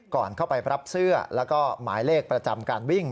ก่อนเข้าไปรับเสื้อแล้วก็หมายเลขประจำการวิ่ง